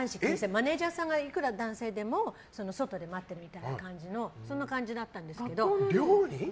マネジャーさんがいくら男性でも外で待ってるっていうそんな感じだったんですけど。